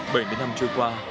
bảy mươi năm trôi qua